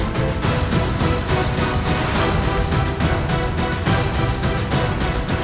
sebaiknya kau diam saja ibu